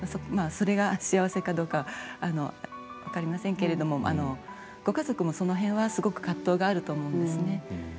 それが幸せかどうかは分かりませんけれどもご家族もその辺はすごく葛藤があると思うんですね。